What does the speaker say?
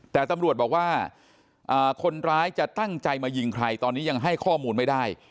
แต่ตำรวจบอกว่าคนร้ายจะตั้งใจมายิงใครตอนนี้ยังให้ข้อมูลไม่ได้